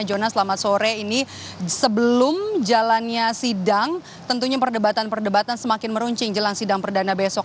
jonat selamat sore ini sebelum jalannya sidang tentunya perdebatan perdebatan semakin meruncing jelang sidang perdana besok